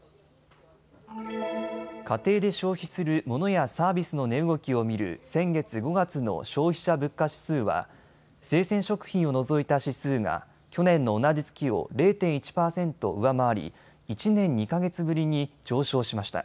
家庭で消費するモノやサービスの値動きを見る先月５月の消費者物価指数は生鮮食品を除いた指数が去年の同じ月を０．１％上回り１年２か月ぶりに上昇しました。